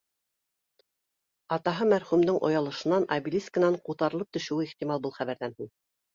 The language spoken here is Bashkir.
Атаһы мәрхүмдең оялышынан обелискынан ҡуптарылып төшөүе ихтимал был хәбәрҙән һуң